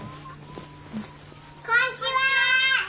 こんちは！